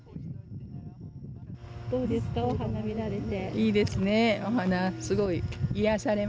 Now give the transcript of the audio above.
どうですかお花見られて。